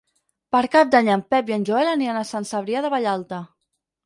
Per Cap d'Any en Pep i en Joel aniran a Sant Cebrià de Vallalta.